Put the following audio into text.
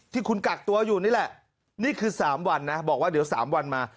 ที่คุณกักตัวอยู่นี่แหละนี่คือ๓วันนะบอกว่าเดี๋ยว๓วันมา